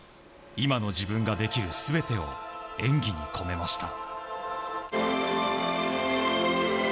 今の自分ができる全てを演技に込めました。